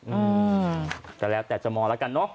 อืมแต่แล้วแต่จะมองแล้วกันเนอะ